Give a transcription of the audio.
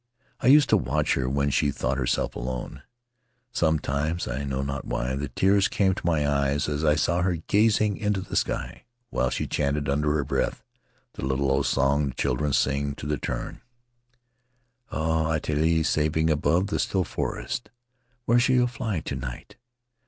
... I used to watch her when she thought herself alone. Sometimes, I know not why, the tears came to my eyes as I saw her gazing into the sky while she chanted under her breath the little old song the children sing to the tern: "O Itatae, sailing above the still forest, where shall you fly to night?